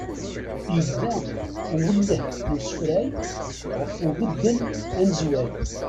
Ibda uwelleh n ussefrey ɣef ubeddel anezway.